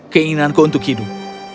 keinginanku untuk hidup